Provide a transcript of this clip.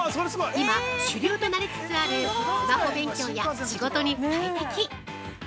今主流となりつつあるスマホ勉強や仕事に最適！